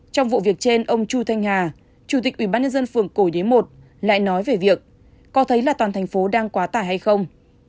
trong vụ việc trên ông chu thanh hà chủ tịch ubnd phường cổ nhuế một lại nói về việc có thấy là toàn thành phố đang quá tải hay không